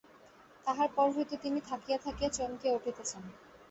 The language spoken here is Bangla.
তাহার পর হইতে তিনি থাকিয়া থাকিয়া চমকিয়া উঠিতেছেন।